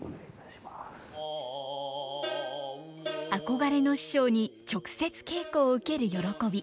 憧れの師匠に直接稽古を受ける喜び。